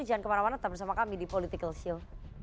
jangan kemana mana tetap bersama kami di political show